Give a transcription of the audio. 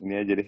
ini aja deh